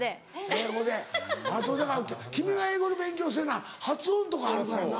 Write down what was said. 英語であとだから君が英語の勉強せな発音とかあるからな。